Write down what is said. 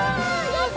やった！